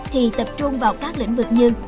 thì tập trung vào các lĩnh vực như